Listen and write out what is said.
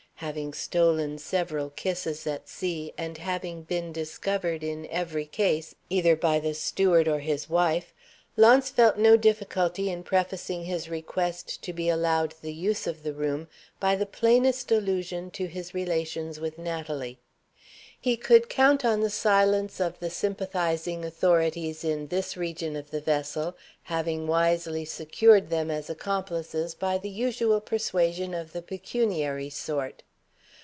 Having stolen several kisses at sea, and having been discovered (in every case) either by the steward or his wife, Launce felt no difficulty in prefacing his request to be allowed the use of the room by the plainest allusion to his relations with Natalie. He could count on the silence of the sympathizing authorities in this region of the vessel, having wisely secured them as accomplices by the usual persuasion of the pecuniary sort.